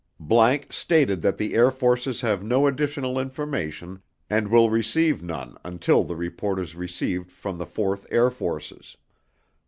____ stated that the Air Forces have no additional information and will receive none until the report is received from the 4th Air Forces.